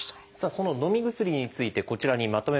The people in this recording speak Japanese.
そののみ薬についてこちらにまとめました。